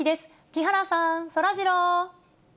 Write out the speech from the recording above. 木原さん、そらジロー。